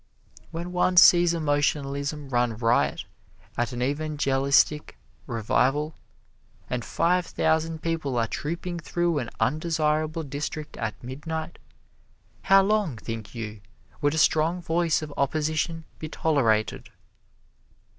When one sees emotionalism run riot at an evangelistic revival, and five thousand people are trooping through an undesirable district at midnight, how long, think you, would a strong voice of opposition be tolerated?